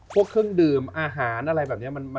พวกเครื่องดื่มอาหารอะไรแบบนี้